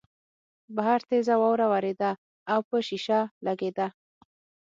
بهر تېزه واوره ورېده او په شیشه لګېده